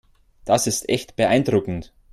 Das ist echt beeindruckend.